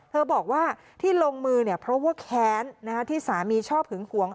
บอกว่าที่ลงมือเนี่ยเพราะว่าแค้นที่สามีชอบหึงหวง